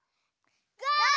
ゴー！